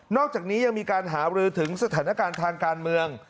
อกจากนี้ยังมีการหารือถึงสถานการณ์ทางการเมือง